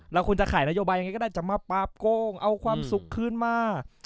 ควรจะขายนโยบายยังไงก็ได้จะมาปราบโกงเอาความสุขคืนมา